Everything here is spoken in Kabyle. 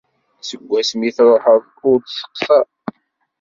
Seg wasmi i truḥeḍ ur d-testeqsaḍ.